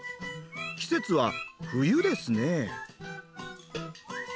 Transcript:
季節は冬ですね。